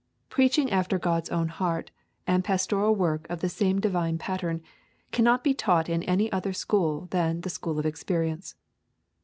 Preaching after God's own heart, and pastoral work of the same divine pattern, cannot be taught in any other school than the school of experience.